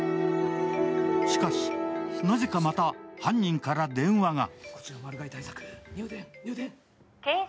しかし、なぜかまた犯人から電話が。